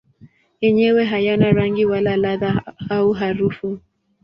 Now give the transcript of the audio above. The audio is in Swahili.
Yenyewe hayana rangi wala ladha au harufu.